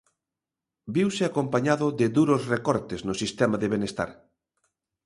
Viuse acompañado de duros recortes no sistema de benestar.